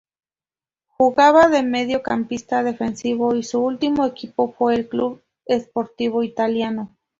Jugaba de mediocampista defensivo y su último equipo fue el Club Sportivo Italiano.